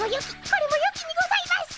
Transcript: これもよきにございます！